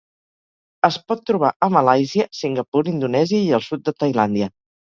Es pot trobar a Malàisia, Singapur, Indonèsia i el Sud de Tailàndia.